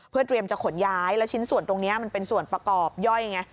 เพื่อเตรียมจะขนย้ายแล้วชิ้นส่วนตรงนี้มันเป็นส่วนประกอบย่อยไง